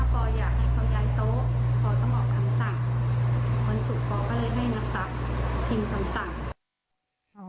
ถ้าปออยากให้เขาย้ายโต๊ะปอต้องออกคำสั่ง